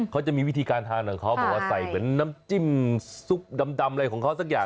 เขาจะมีวิธีการทานของเขาบอกว่าใส่เหมือนน้ำจิ้มซุปดำอะไรของเขาสักอย่าง